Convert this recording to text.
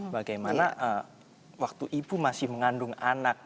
bagaimana waktu ibu masih mengandung anak